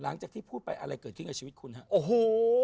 หลังจากที่พูดไปอะไรเกิดขึ้นกับชีวิตคุณฮะโอ้โห